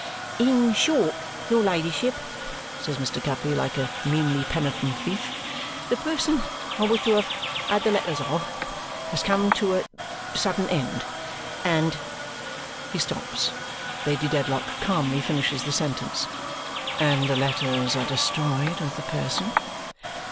"In short, your ladyship," says Mr. Guppy like a meanly penitent thief, "the person I was to have had the letters of, has come to a sudden end, and " He stops. Lady Dedlock calmly finishes the sentence. "And the letters are destroyed with the person?"